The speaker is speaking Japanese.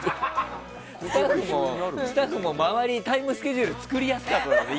スタッフもタイムスケジュール作りやすかっただろうね。